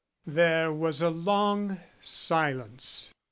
There was a long silence.